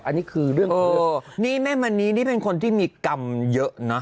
อันนี้คือเรื่องของนี่แม่มณีนี่เป็นคนที่มีกรรมเยอะนะ